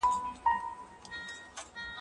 هلته قدر د شته من سړي ښکاره سو